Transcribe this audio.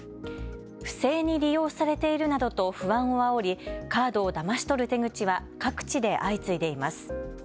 不正に利用されているなどと不安をあおりカードをだまし取る手口は各地で相次いでいます。